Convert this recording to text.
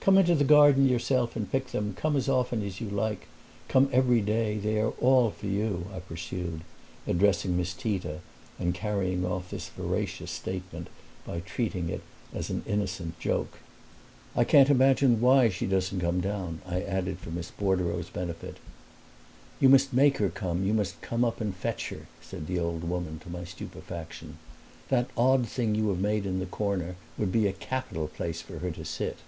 "Come into the garden yourself and pick them; come as often as you like; come every day. They are all for you," I pursued, addressing Miss Tita and carrying off this veracious statement by treating it as an innocent joke. "I can't imagine why she doesn't come down," I added, for Miss Bordereau's benefit. "You must make her come; you must come up and fetch her," said the old woman, to my stupefaction. "That odd thing you have made in the corner would be a capital place for her to sit."